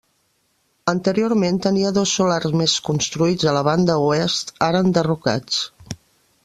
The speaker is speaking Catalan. Anteriorment tenia dos solars més construïts a la banda oest, ara enderrocats.